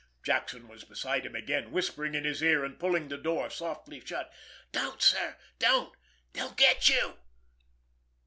Jackson was beside him again, whispering in his ear, and pulling the door softly shut. "Don't, sir—don't go—they'll get you!"